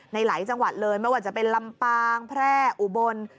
ในหลายจังหวัดเลยไม่ว่าจะเป็นลำปางแพร่อุบล